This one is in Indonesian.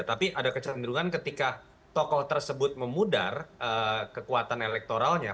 tapi ada kecenderungan ketika tokoh tersebut memudar kekuatan elektoralnya